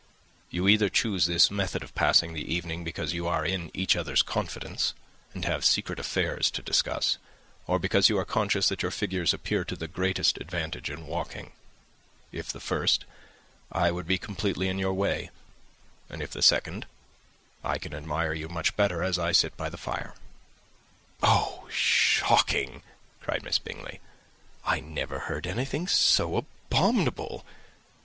"You either choose this method of passing the evening because you are in each other's confidence, and have secret affairs to discuss, or because you are conscious that your figures appear to the greatest advantage in walking: if the first, I should be completely in your way; and if the second, I can admire you much better as I sit by the fire." "Oh, shocking!" cried Miss Bingley. "I never heard anything so abominable.